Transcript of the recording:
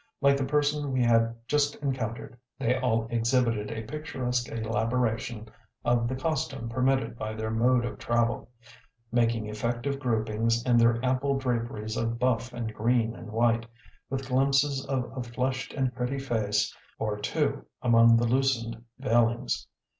Like the person we had just encountered, they all exhibited a picturesque elaboration of the costume permitted by their mode of travel; making effective groupings in their ample draperies of buff and green and white, with glimpses of a flushed and pretty face or two among the loosened veilings.